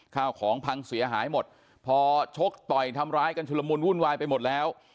ข้าวของพังเสียหายหมดพอชกต่อยทำร้ายกันชุลมุนวุ่นวายไปหมดแล้ว